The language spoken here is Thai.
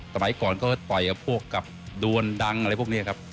สมัยก่อนก็ต่อยกับพวกกับดวนดังอะไรพวกนี้ครับ